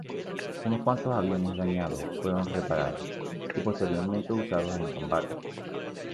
Unos cuantos aviones dañados fueron reparados, y posteriormente usados en combate.